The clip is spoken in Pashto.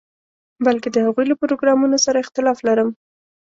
بلکې د هغوی له پروګرامونو سره اختلاف لرم.